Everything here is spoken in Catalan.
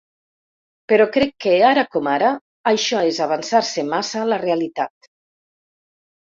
Però crec que, ara com ara, això és avançar-se massa a la realitat.